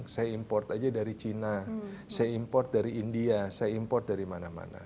saya import dari india saya import dari mana mana